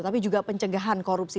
tapi juga pencegahan korupsi